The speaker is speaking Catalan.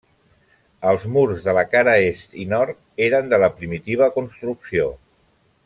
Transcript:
Els murs de la cara est i nord, eren de la primitiva construcció.